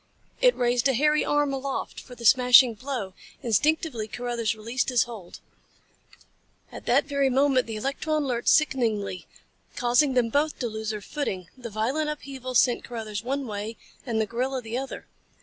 It raised a hairy arm aloft for the smashing blow. Instinctively Carruthers released his hold. At that very moment the electron lurched sickeningly, causing them both to lose their footing. The violent upheaval sent Carruthers one way and the gorilla the other.